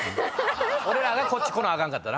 俺らがこっち来なあかんかった。